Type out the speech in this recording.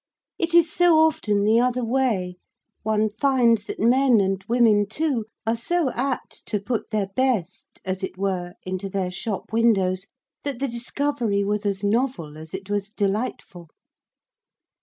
It is so often the other way; one finds that men, and women too, are so apt to put their best, as it were, into their shop windows, that the discovery was as novel as it was delightful.